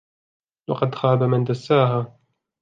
وقد خاب من دساها